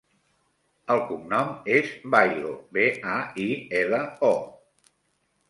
El cognom és Bailo: be, a, i, ela, o.